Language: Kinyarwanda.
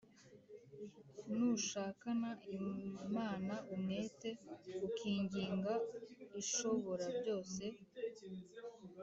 nushakana imana umwete, ukinginga ishoborabyose,